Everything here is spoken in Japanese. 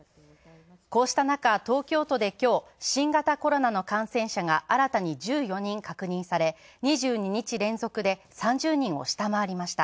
こうした中、東京都で今日新型コロナの感染者が新たに１４人確認され、２２日連続で３０人を下回りました。